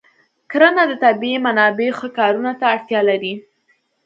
کرنه د طبیعي منابعو ښه کارونه ته اړتیا لري.